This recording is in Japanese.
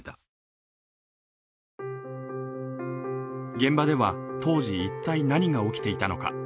現場では当時、一体何が起きていたのか。